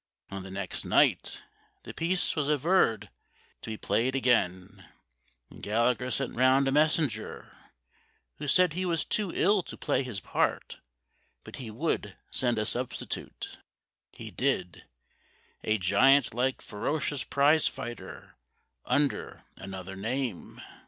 On the next night The piece was adverred to be played again, And Gallagher sent round a messenger, Who said he was too ill to play his part, But he would send a substitute. He did— A giant like ferocious prize fighter, Under another name.